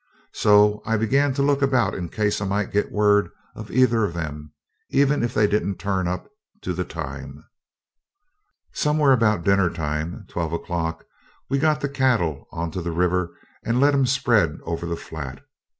So I began to look about in case I might get word of either of 'em, even if they didn't turn up to the time. Somewhere about dinner time (twelve o'clock) we got the cattle on to the river and let 'em spread over the flat.